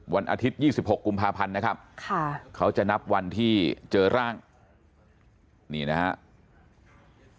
วันอาทิตยี่สิบหกกุมภาพันธ์นะครับค่ะเขาจะนับวันที่เจอร่างนี่นะฮะ